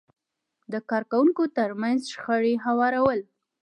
د کار کوونکو ترمنځ شخړې هوارول،